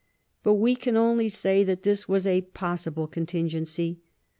But we can only say that this was a possible con tingency.